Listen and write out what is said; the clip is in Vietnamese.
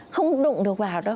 không đụng được vào đâu